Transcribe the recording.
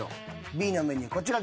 Ｂのメニューこちらです。